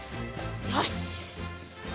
よし！